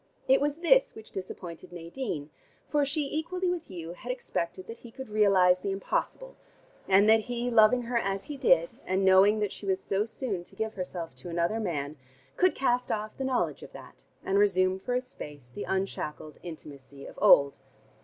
It was this which disappointed Nadine: for she equally with Hugh had expected that he could realize the impossible, and that he, loving her as he did and knowing that she was so soon to give herself to another man, could cast off the knowledge of that, and resume for a space the unshackled intimacy of old.